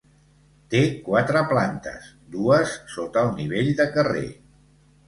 Té quatre plantes, dues sota el nivell de carrer.